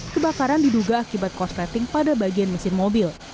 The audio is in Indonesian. kebakaran diduga akibat korsleting pada bagian mesin mobil